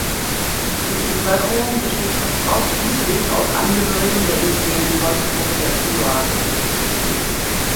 Die Bevölkerung besteht fast ausschließlich aus Angehörigen der indigenen Volksgruppe der Shuar.